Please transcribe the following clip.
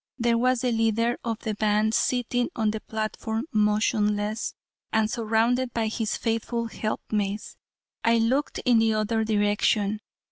There was the leader of the band sitting on the platform motionless and surrounded by his faithful helpmates. I looked in the other direction.